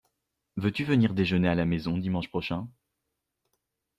Veux-tu venir déjeuner à la maison dimanche prochain?